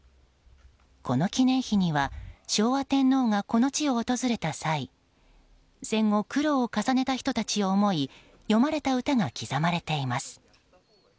この記念碑には昭和天皇がこの地を訪れた際戦後、苦労を重ねた人たちを思い詠まれた歌が刻まれています。